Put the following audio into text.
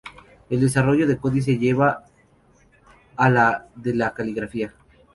El desarrollo del códice lleva al de la caligrafía.